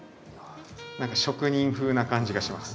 何か職人風な感じがします。